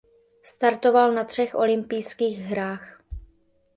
Startoval na třech olympijských hrách.